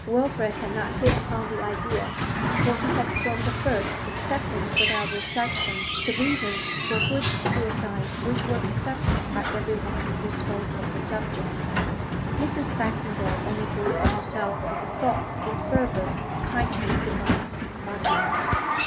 Wilfrid had not hit upon the idea, for he had from the first accepted without reflection the reasons for Hood's suicide which were accepted by everyone who spoke of the subject. Mrs. Baxendale only delivered herself of the thought in fervour of kindly devised argument.